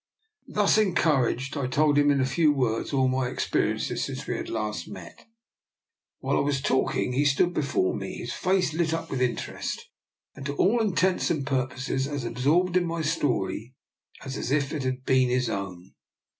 " Thus encouraged, I told him in a few words all my experiences since we had last 40 I>R NIKOLA'S EXPERIMENT. met. While I was talking he stood before me, his face lit up with interest, and to all intents and purposes as absorbed in my stMDry as if it had been his own.